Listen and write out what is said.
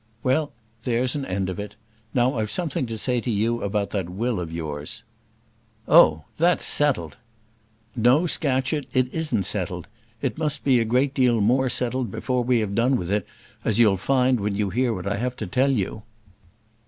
"Well, there's an end of it. Now I've something to say to you about that will of yours." "Oh! that's settled." "No, Scatcherd; it isn't settled. It must be a great deal more settled before we have done with it, as you'll find when you hear what I have to tell you."